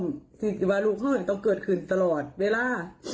สิทธิ์วารุคค่าต้องเกิดขึ้นตลอดเวลา